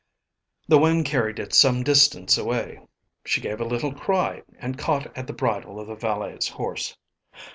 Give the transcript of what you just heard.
The wind carried it some distance away. She gave a little cry and caught at the bridle of the valet's horse.